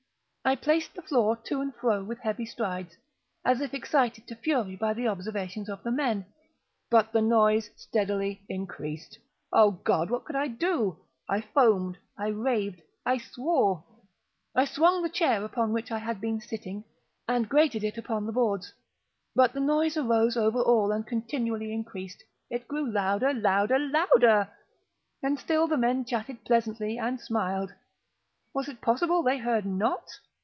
I paced the floor to and fro with heavy strides, as if excited to fury by the observations of the men—but the noise steadily increased. Oh God! what could I do? I foamed—I raved—I swore! I swung the chair upon which I had been sitting, and grated it upon the boards, but the noise arose over all and continually increased. It grew louder—louder—louder! And still the men chatted pleasantly, and smiled. Was it possible they heard not?